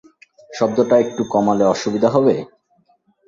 শব্দটা একটু কমালে অসুবিধা হবে?